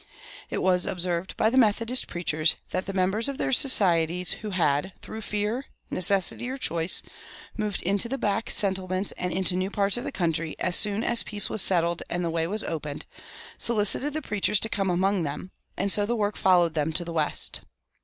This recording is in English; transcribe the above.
It was observed by the Methodist preachers that the members of their societies who had, through fear, necessity, or choice, moved into the back settlements and into new parts of the country, as soon as peace was settled and the way was open solicited the preachers to come among them, and so the work followed them to the west.